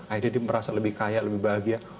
akhirnya dia merasa lebih kaya lebih bahagia